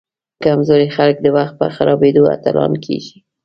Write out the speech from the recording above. کمزوري خلک د وخت په خرابیدو اتلان کیږي.